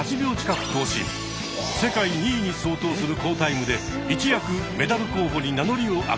世界２位に相当する好タイムで一躍メダル候補に名乗りを上げました。